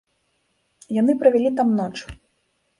Яны правялі там ноч.